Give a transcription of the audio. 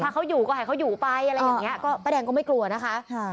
ถ้าเค้าอยู่ก็ให้เค้าอยู่ไปอะไรแบบนี้แบบของป้าแดงก็ไม่กลัวนะคะ